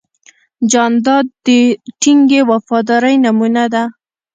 جانداد د ټینګې وفادارۍ نمونه ده.